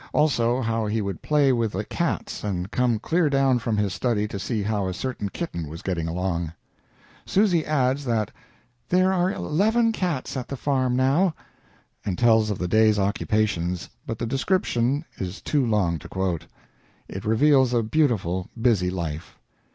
Also, how he would play with the cats and come clear down from his study to see how a certain kitten was getting along. Susy adds that "there are eleven cats at the farm now," and tells of the day's occupations, but the description is too long to quote. It reveals a beautiful, busy life.